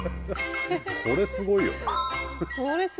これすごいよね。